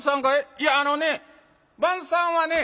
「いやあのね番さんはね